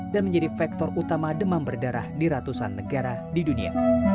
dan menjadi faktor utama demam berdarah di ratusan negara di dunia